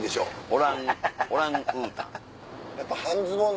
オランオランウータン。